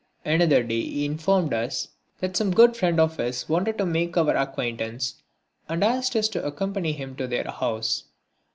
Another day he informed us that some good friends of his wanted to make our acquaintance and asked us to accompany him to their house.